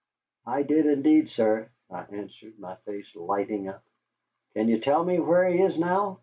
"I did, indeed, sir," I answered, my face lighting up. "Can you tell me where he is now?"